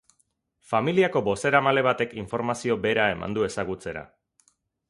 Familiako bozeramale batek informazio bera eman du ezagutzera.